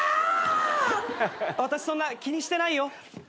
私そんな気にしてないよ。